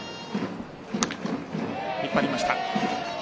引っ張りました。